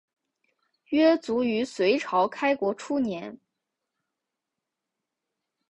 约卒于隋朝开国初年。